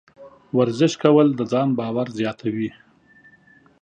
ورزش کول د ځان باور زیاتوي.